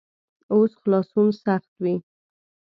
اوس خلاصون سخت وي.